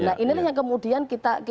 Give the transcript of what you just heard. nah ini yang kemudian